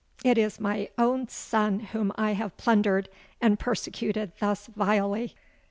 it is my own son whom I have plundered and persecuted thus vilely!